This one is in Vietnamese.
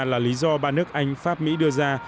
là lý do ba nước anh pháp mỹ đưa ra